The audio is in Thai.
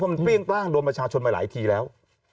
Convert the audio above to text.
เพราะมันเปรี้ยงตั้งโดนประชาชนไปหลายทีแล้ว